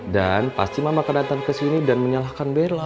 dan pasti mama akan datang ke sini dan menyalahkan bella